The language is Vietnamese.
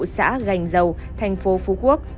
xã gành dầu thành phố phú quốc